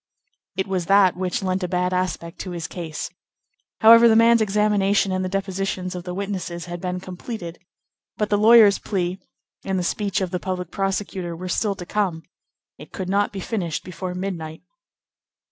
It was that which lent a bad aspect to his case. However, the man's examination and the depositions of the witnesses had been completed, but the lawyer's plea, and the speech of the public prosecutor were still to come; it could not be finished before midnight.